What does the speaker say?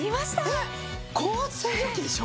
えっ高圧洗浄機でしょ？